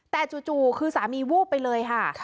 แต่จู่คือสามีวูบไปเลยค่ะ